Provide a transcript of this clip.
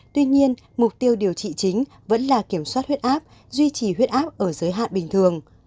tuy nhiên mục tiêu điều trị chính vẫn là kiểm soát huyết áp duy trì huyết áp ở giới hạn bình thường